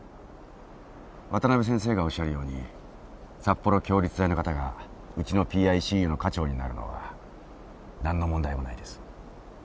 渡辺先生がおっしゃるように札幌共立大の方がうちのＰＩＣＵの科長になるのは何の問題もないです。